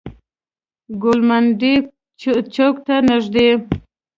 ګوالمنډۍ چوک ته نزدې.